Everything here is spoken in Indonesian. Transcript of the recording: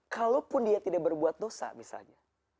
kalaupun dia tidak berbuat dosa misalnya